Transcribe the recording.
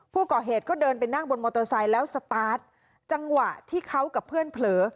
ผู้ก่อเหตุก็เดินไปนั่งบนมอเตอร์ไซค์แล้วสตาร์ทจังหวะที่เขากับเพื่อนเผลอ